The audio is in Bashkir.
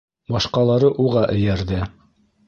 Башҡалары уға эйәрҙе.